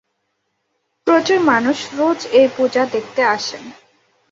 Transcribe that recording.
প্রচুর মানুষ রোজ এই পূজা দেখতে আসেন।